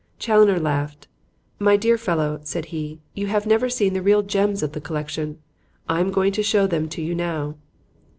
Challoner laughed. "My dear fellow," said he, "you have never seen the real gems of the collection. I am going to show them to you now."